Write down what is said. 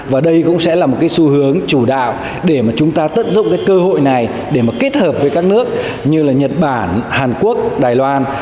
và đây cũng sẽ là một cái xu hướng chủ đạo để mà chúng ta tận dụng cái cơ hội này để mà kết hợp với các nước như là nhật bản hàn quốc đài loan